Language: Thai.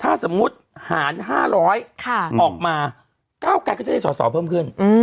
ถ้าสมมุติหาร๕๐๐ออกมาก้าวไกรก็จะได้สอสอเพิ่มขึ้น